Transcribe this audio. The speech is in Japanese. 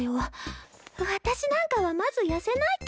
私なんかはまず痩せないと！